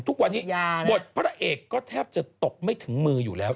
ทุกวันนี้บทพระเอกก็แทบจะตกไม่ถึงมืออยู่แล้ว